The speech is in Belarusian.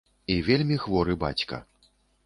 І вельмі хворы бацька.